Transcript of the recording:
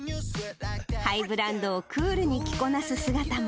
ハイブランドをクールに着こなす姿も。